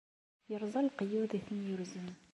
Irẓa leqyud i ten-yurzen.